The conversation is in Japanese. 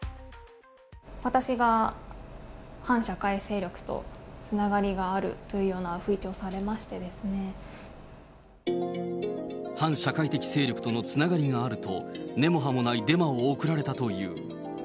私が反社会勢力とつながりがあるというような吹聴をされまし反社会的勢力とのつながりがあると、根も葉もないデマを送られたという。